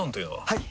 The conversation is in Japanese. はい！